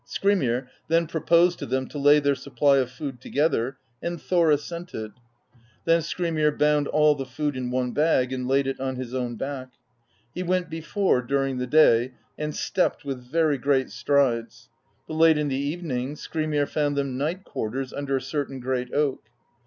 Skrymir then proposed to them to lay their supply of food together, and Thor assented. Then Skrymir bound all the food in one bag and laid it on his own back; he went before during the day, and stepped with very great strides; but late in the even ing Skrymir found them night quarters under a certain great oak.